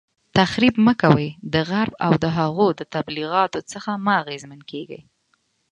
تخریب مه کوئ، د غرب او د هغوی د تبلیغاتو څخه مه اغیزمن کیږئ